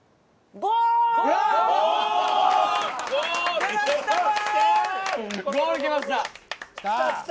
ゴールきました！